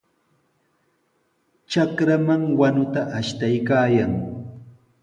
Trakraman wanuta ashtaykaayan.